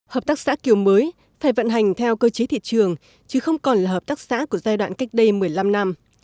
hợp tác xã kiểu mới phải vận hành theo cơ chế thị trường chứ không còn là hợp tác xã của giai đoạn cách đây một mươi năm năm